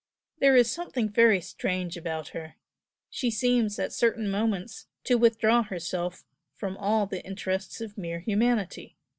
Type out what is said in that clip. There is something very strange about her she seems, at certain moments, to withdraw herself from all the interests of mere humanity.